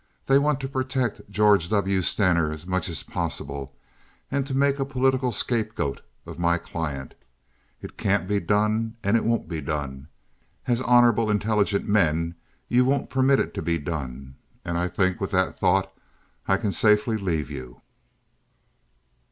They want to protect George W. Stener as much as possible and to make a political scapegoat of my client. It can't be done, and it won't be done. As honorable, intelligent men you won't permit it to be done. And I think with that thought I can safely leave you."